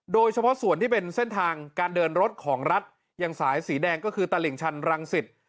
โดยเฉพาะส่วนที่เป็นเส้นทางการเดินรถของรัฐอย่างสายสีแดงก็คือตลิ่งชันรังสิต